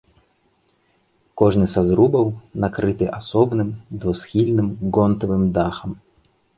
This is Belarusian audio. Кожны са зрубаў накрыты асобным двухсхільным гонтавым дахам.